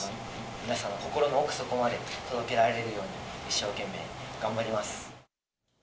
皆さんの心の奥底まで届けられるように一生懸命頑張ります。